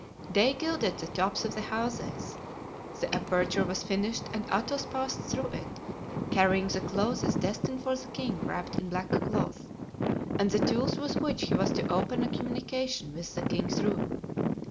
Day gilded the tops of the houses. The aperture was finished and Athos passed through it, carrying the clothes destined for the king wrapped in black cloth, and the tools with which he was to open a communication with the king's room.